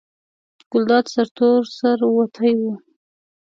ګلداد سرتور سر وتی و.